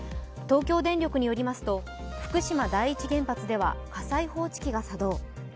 東京電力によりますと福島第一原発では火災報知器が作動。